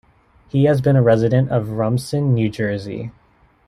He has been a resident of Rumson, New Jersey.